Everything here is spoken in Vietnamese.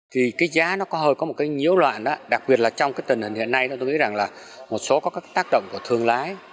thì cái giá nó có hơi có một cái nhiễu loạn đó đặc biệt là trong cái tình hình hiện nay tôi nghĩ rằng là một số có các tác động của thương lái